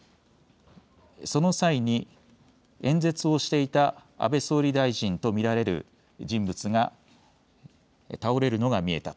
その際に演説をしていた安倍総理大臣と見られる人物が倒れるのが見えた。